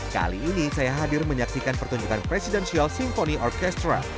kali ini saya hadir menyaksikan pertunjukan presidential symphony orchestra